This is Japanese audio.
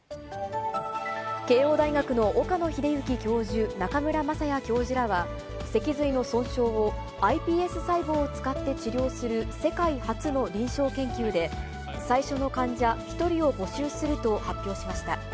慶応大学の岡野栄之教授、中村雅也教授らは、脊髄の損傷をｉＰＳ細胞を使って治療する世界初の臨床研究で、最初の患者１人を募集すると発表しました。